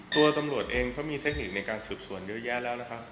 ตำรวจเองก็มีเทคนิคในการสืบสวนเยอะแยะแล้วนะครับ